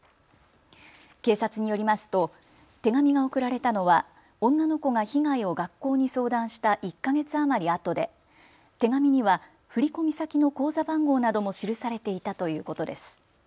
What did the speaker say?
警察によりますと手紙が送られたのは女の子が被害を学校に相談した１か月余りあとで手紙には振込先の口座番号なども記されていたということです。